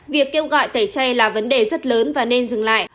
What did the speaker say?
việc kêu gọi tẩy chay là vấn đề rất lớn và nên dừng lại